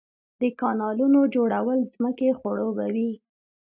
د کانالونو جوړول ځمکې خړوبوي.